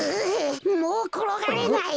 もうころがれない。